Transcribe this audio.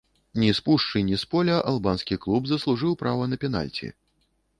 Ні з пушчы ні з поля албанскі клуб заслужыў права на пенальці.